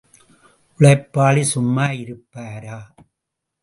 உழைப்பாளி சும்மா இருப்பாரா?